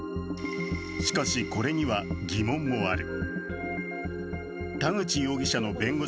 しかし、これには疑問もある。